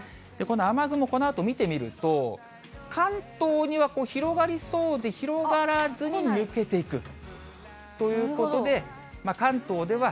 この雨雲、このあと見てみると、関東には広がりそうで広がらずに抜けていく。